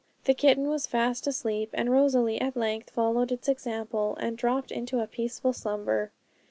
The kitten was fast asleep; and Rosalie at length followed its example, and dropped into a peaceful slumber.